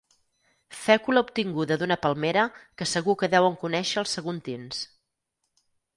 Fècula obtinguda d'una palmera que segur que deuen conèixer els saguntins.